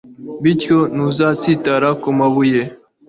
bityo ntuzatsitara ku mabuye